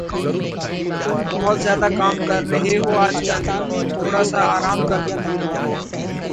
تم بہت زیادہ کام کر رہے ہو آج کل۔ تھوڑا سا آرام کر لو۔